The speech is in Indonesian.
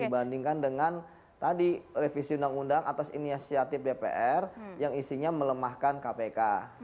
dibandingkan dengan tadi revisi undang undang atas inisiatif dpr yang isinya melemahkan kpk